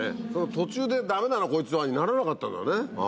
途中で「ダメだなこいつは」にならなかったんだね。